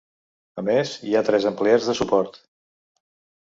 A més, hi ha tres empleats de suport.